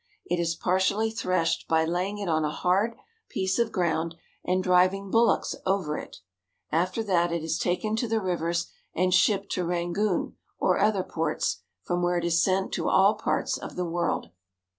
It is partially threshed by lay ing it on a hard piece of ground, and driving bullocks over it. After that it is taken to the rivers and shipped to Rangoon or other ports, from Children from Upper Burma. where it is sent to all parts of the world.